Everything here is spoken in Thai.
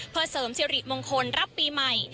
เพื่อเสริมสิริมงคลรับปีใหม่